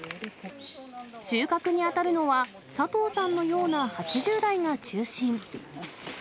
収穫に当たるのは、佐藤さんのような８０代が中心。